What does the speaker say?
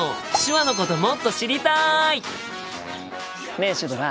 ねえシュドラ。